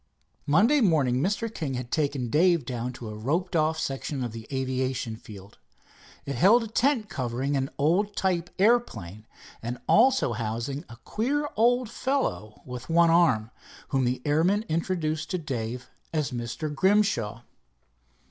Monday morning, Mr. King had taken Dave down to a roped off section of the aviation field. It held a tent covering an old type airplane, and also housing a queer old fellow with one arm, whom the airman introduced to Dave as Mr. Grimshaw.